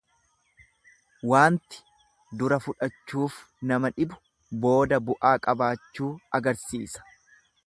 Waanti dura fudhachuuf nama dhibu booda bu'aa qabaachuu agarsiisa.